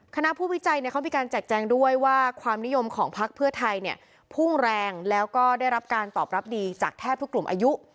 คณะผู้วิจัยเขามีการแจกแจงด้วยว่าความนิยมของพักเพื่อไทยเนี่ยพุ่งแรงแล้วก็ได้รับการตอบรับดีจากแทบทุกกลุ่มอายุ